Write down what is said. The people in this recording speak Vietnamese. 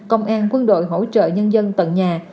công an quân đội hỗ trợ nhân dân tận nhà